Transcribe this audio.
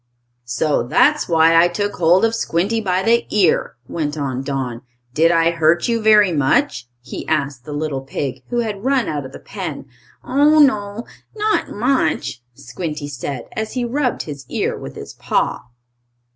"So that's why I took hold of Squinty by the ear," went on Don. "Did I hurt you very much?" he asked the little pig who had run out of the pen. "Oh, no; not much," Squinty said, as he rubbed his ear with his paw.